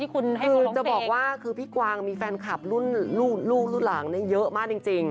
คือจะบอกว่าคือพี่กวางมีแฟนคลับรุ่นลูกรุ่นหลังเยอะมากจริง